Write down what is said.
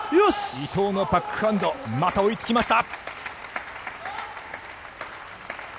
伊藤のバックハンドまた追いつきました。